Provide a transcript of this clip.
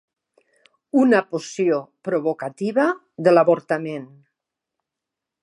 Una poció provocativa de l'avortament.